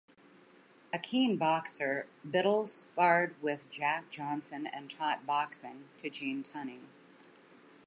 A keen boxer, Biddle sparred with Jack Johnson and taught boxing to Gene Tunney.